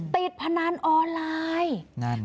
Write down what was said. ติดพนันออนไลน์